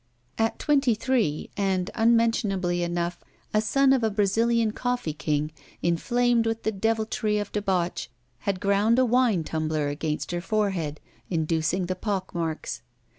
At twenty three and unmentionably enough, a son of a Brazilian coffee king, inflamed with the deviltry of debauch, had ground a wine tumbler against her forehead, inducing the pock marks.